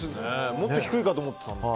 もっと低いかと思ってたんですが。